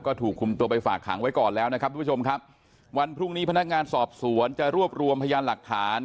ก็ถูกคุมตัวไปฝากขังไว้ก่อนแล้วนะครับทุกผู้ชมครับวันพรุ่งนี้พนักงานสอบสวนจะรวบรวมพยานหลักฐาน